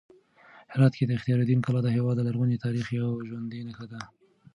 هرات کې اختیار الدین کلا د هېواد د لرغوني تاریخ یوه ژوندۍ نښه ده.